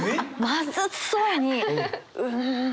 まずそうに「うま！」。